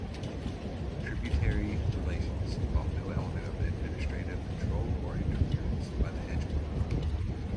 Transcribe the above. Tributary relations involve no element of administrative control or interference by the hegemon.